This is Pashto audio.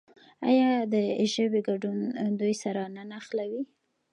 آیا د ژبې ګډون دوی سره نه نښلوي؟